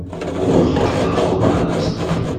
خورشید تازه غروب کرده است.